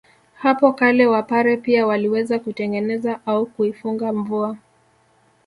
Hapo kale Wapare pia waliweza kutengeneza au kuifunga mvua